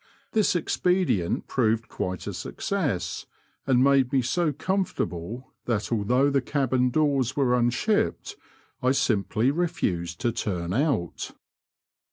This ex pedient proved quite a success, and made me so comfortable that although the cabin doors were unshipped, I simply refused to turn out.